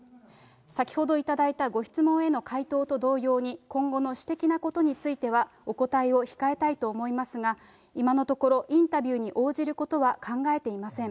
先ほど頂いたご質問への回答と同様に、今後の私的なことについては、お答えを控えたいと思いますが、今のところインタビューに応じることは考えていません。